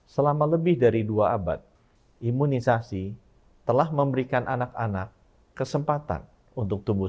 selama lebih dari dua abad imunisasi telah memberikan anak anak kesempatan untuk tumbuh